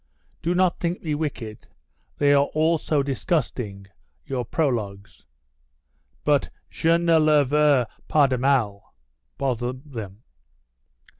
Do not think me wicked; they are all so disgusting, your prologues, but je ne leur veux pas de mal, bother them.